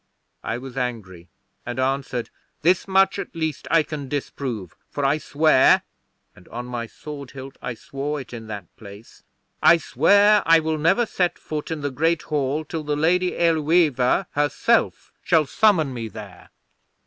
'I was angry, and answered, "This much at least I can disprove, for I swear" and on my sword hilt I swore it in that place "I swear I will never set foot in the Great Hall till the Lady Ælueva herself shall summon me there."